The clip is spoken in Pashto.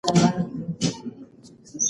ایا په کلي کې اوس هم خلک کباب ته په ارمان دي؟